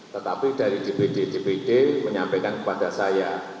tetapi dari dpd dpd menyampaikan kepada saya